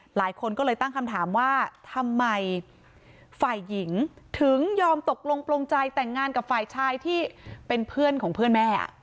หลายคนก็เลยตั้งคำถามว่าทำไมฝ่ายหญิงถึงยอมตกลงปลงใจแต่งงานกับฝ่ายชายที่เป็นเพื่อนของเพื่อนแม่